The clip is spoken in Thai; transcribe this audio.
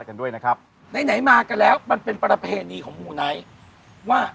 กันด้วยนะครับไหนไหนมากันแล้วมันเป็นประเพณีของมูไนท์ว่า